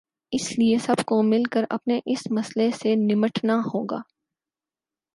اس لیے سب کو مل کر اپنے اس مسئلے سے نمٹنا ہو گا۔